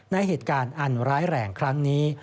ในเหตุการณ์อันร้ายแรงครั้งนี้